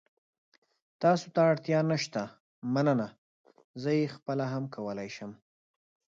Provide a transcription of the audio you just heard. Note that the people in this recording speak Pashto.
تاسو ته اړتیا نشته، مننه. زه یې خپله هم کولای شم.